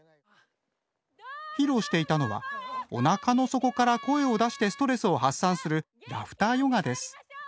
披露していたのはおなかの底から声を出してストレスを発散するラフターヨガです。